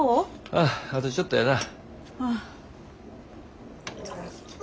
あああとちょっとやな。